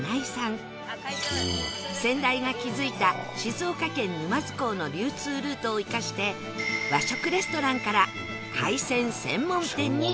先代が築いた静岡県沼津港の流通ルートを生かして和食レストランから海鮮専門店に一新